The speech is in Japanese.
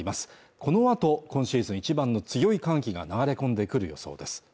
このあと今シーズン一番の強い寒気が流れ込んでくる予想です